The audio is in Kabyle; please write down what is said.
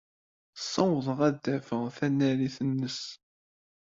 Ssawḍeɣ ad d-afeɣ tanarit-nnes.